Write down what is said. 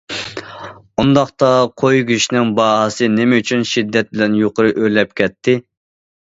ئۇنداقتا قوي گۆشىنىڭ باھاسى نېمە ئۈچۈن شىددەت بىلەن يۇقىرى ئۆرلەپ كەتتى.